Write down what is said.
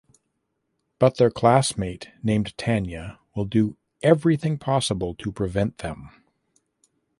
But their classmate named Tanya will do everything possible to prevent them.